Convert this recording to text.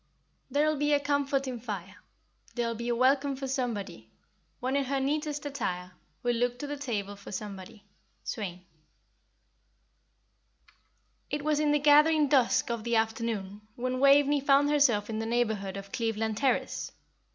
_ "There'll be a comforting fire; There'll be a welcome for somebody; One in her neatest attire, Will look to the table for somebody." SWAIN. It was in the gathering dusk of the afternoon when Waveney found herself in the neighbourhood of Cleveland Terrace.